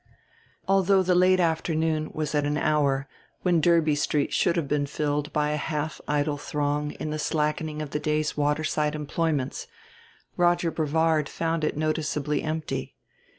X Although the late afternoon was at an hour when Derby Street should have been filled by a half idle throng in the slackening of the day's waterside employments Roger Brevard found it noticeably empty.